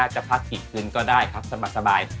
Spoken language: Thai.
จะพักกี่คืนก็ได้ครับสบาย